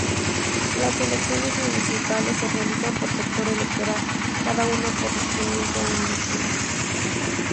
Las elecciones municipales se realizan por sector electoral, cada uno correspondiente a un distrito.